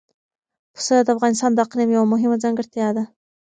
پسه د افغانستان د اقلیم یوه مهمه ځانګړتیا ده.